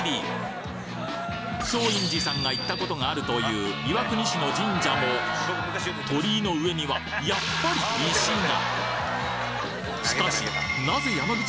松陰寺さんが行った事があるという岩国市の神社も鳥居の上にはやっぱり石が！